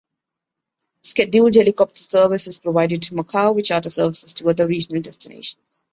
Scheduled helicopter service is provided to Macau, with charter services to other regional destinations.